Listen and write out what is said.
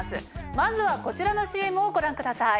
まずはこちらのＣＭをご覧ください。